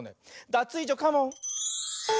ダツイージョカモン！